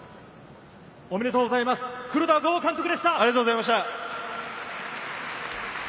おめでとうございます、黒田剛監督でした。